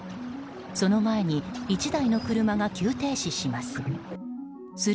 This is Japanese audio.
その前に１台の車が急停止します。